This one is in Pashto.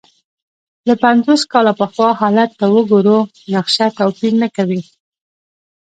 که پنځوس کاله پخوا حالت ته وګورو، نقشه توپیر نه کوي.